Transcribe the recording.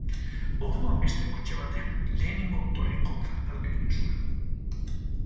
Orduan beste kotxe batek lehenengo autoaren kontra talka egin zuen.